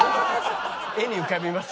絵に浮かびますね。